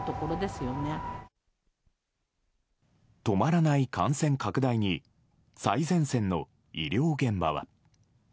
止まらない感染拡大に最前線の医療現場は。